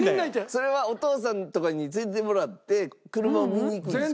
それはお父さんとかに連れて行ってもらって車を見に行くんですか？